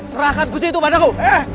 serahkan kucitu padaku